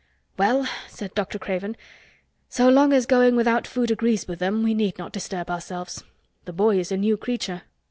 "Well," said Dr. Craven, "so long as going without food agrees with them we need not disturb ourselves. The boy is a new creature."